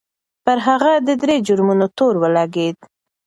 پر هغه د درې جرمونو تور ولګېد.